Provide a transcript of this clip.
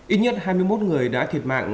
ít nhất hai mươi một người đã thiệt mạng